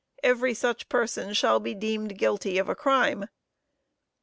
every such person shall be deemed guilty of a crime."